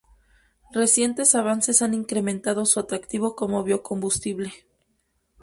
Recientes avances han incrementado su atractivo como biocombustible.